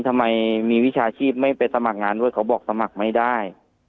ทำไมมีวิชาชีพไม่ไปสมัครงานด้วยเขาบอกสมัครไม่ได้